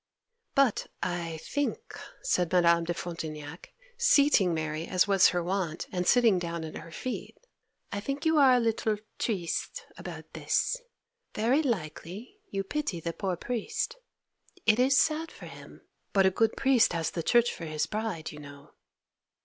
'But I think,' said Madame de Frontignac, seating Mary as was her wont, and sitting down at her feet, 'I think you are a little "triste" about this! Very likely you pity the poor priest! It is sad for him, but a good priest has the church for his bride, you know.